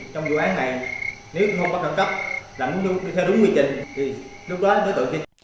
trong vụ án này nếu không bắt thẩm cấp làm theo đúng quy trình thì lúc đó là đối tượng chính